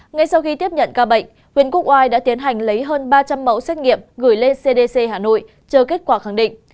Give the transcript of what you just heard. ngay sau khi tiếp nhận ca bệnh huyện quốc oai đã tiến hành lấy hơn ba trăm linh mẫu xét nghiệm gửi lên cdc hà nội chờ kết quả khẳng định